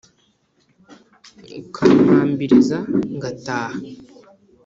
ukampambiriza ngataha